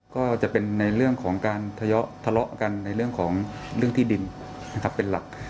ก็จะเป็นในเรื่องของการทะเลาะกันในเรื่องของเรื่องที่ดินนะครับเป็นหลัก